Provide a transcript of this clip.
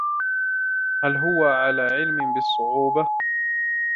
هل هو على علم بالصعوبة ؟